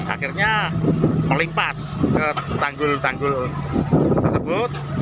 akhirnya melimpas ke tanggul tanggul tersebut